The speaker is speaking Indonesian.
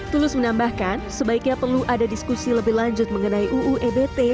tulus menambahkan sebaiknya perlu ada diskusi lebih lanjut mengenai uu ebt